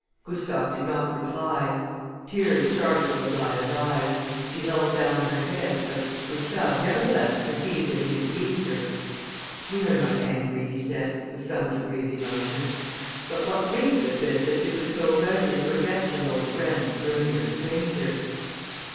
Gustave did not reply. Tears started to Aglaïa's eyes; she held down her head, but Gustave nevertheless perceived that he had grieved her. "We are not angry," he said, with some degree of emotion; "but what grieves us is, that you could so readily forget your old friends for a mere stranger."